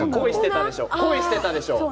恋をしていたでしょう？